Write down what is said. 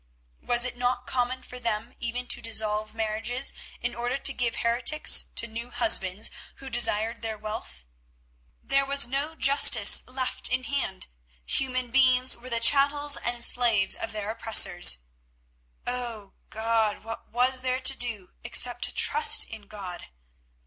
Was it not common for them even to dissolve marriages in order to give heretics to new husbands who desired their wealth? There was no justice left in the land; human beings were the chattels and slaves of their oppressors. Oh God! what was there to do, except to trust in God?